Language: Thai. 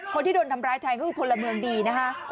คนที่โดนทำร้ายแทงก็คือพลเมืองดีนะคะ